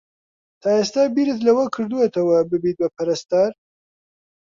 تا ئێستا بیرت لەوە کردووەتەوە ببیت بە پەرستار؟